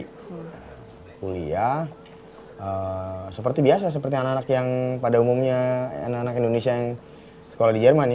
kuliah seperti biasa seperti anak anak yang pada umumnya anak anak indonesia yang sekolah di jerman ya